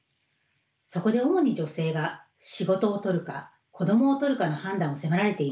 そこで主に女性が仕事を取るか子どもを取るかの判断を迫られていました。